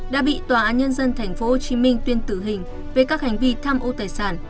đã bị tòa án nhân dân tp hcm tuyên tử hình về các hành vi tham ô tài sản